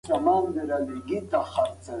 هلمند د هر وګړي د مسولیتونو او هلو ځلو مرکز دی.